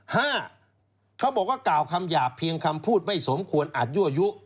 ห้าเขาบอกว่ากล่าวคำหยาบเพียงคำพูดไม่สมควรอาจยั่วยุ